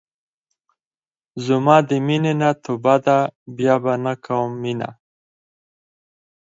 زما د مينې نه توبه ده بيا به نۀ کوم مينه